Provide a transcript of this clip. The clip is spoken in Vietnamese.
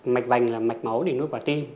mạch vành là mạch máu để nuôi quả tim